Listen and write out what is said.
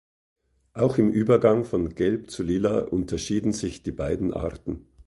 Auch im Übergang von gelb zu lila unterschieden sich die beiden Arten.